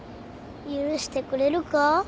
許してくれるか？